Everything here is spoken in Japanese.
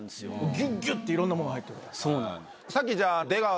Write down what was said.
ギュっギュっていろんなものが入ってるから。